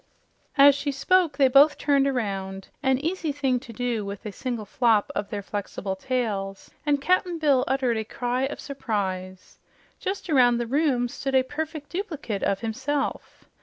As she spoke they both turned around an easy thing to do with a single flop of their flexible tails and Cap'n Bill uttered a cry of surprise. Just across the room stood a perfect duplicate of himself.